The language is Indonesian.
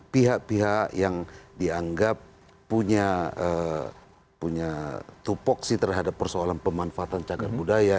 pihak pihak yang dianggap punya tupok sih terhadap persoalan pemanfaatan jaga budaya